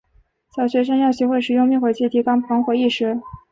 小学生要学会使用灭火器，提高防火意识。